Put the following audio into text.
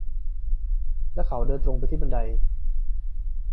และเขาเดินตรงไปที่บันได